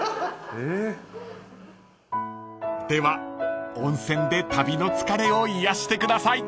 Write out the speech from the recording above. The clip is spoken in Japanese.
［では温泉で旅の疲れを癒やしてください］